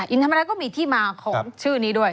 อินธรรมรัฐก็มีที่มาของชื่อนี้ด้วย